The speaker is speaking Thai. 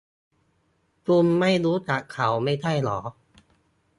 คุณไม่รู้จักเขาไม่ใช่หรอ ?